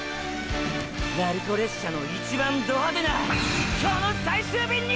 鳴子列車の一番ド派手なこの最終便に！！